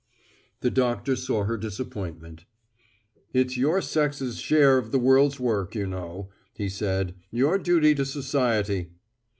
The doctor saw her disappointment. "It's your sex' share of the world's work, you know," he said, "your duty to society."